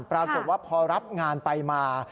ปรากฏว่าพอรับงานไปมา